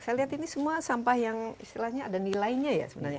saya lihat ini semua sampah yang istilahnya ada nilainya ya sebenarnya